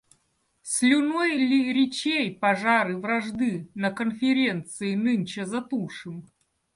Слюной ли речей пожары вражды на конференции нынче затушим?!